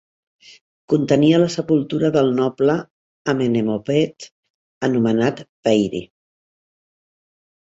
Contenia la sepultura del noble Amenemopet anomenat Pairy.